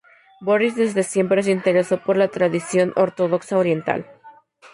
Borís desde siempre se interesó por la tradición ortodoxa oriental.